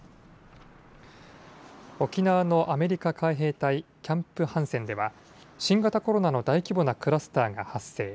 沖縄のアメリカ海兵隊キャンプハンセンでは新型コロナの大規模なクラスターが発生。